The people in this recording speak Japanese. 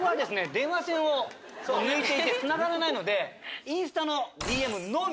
電話線を抜いていてつながらないのでインスタのＤＭのみ。